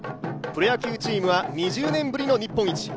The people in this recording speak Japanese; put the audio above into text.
プロ野球チームは２０年ぶりの日本一。